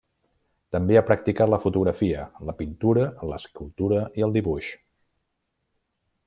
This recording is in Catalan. També ha practicat la fotografia, la pintura, l'escultura i el dibuix.